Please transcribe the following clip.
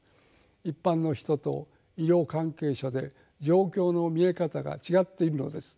一般の人と医療関係者で状況の見え方が違っているのです。